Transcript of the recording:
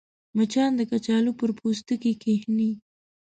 مچان د کچالو پر پوستکي کښېني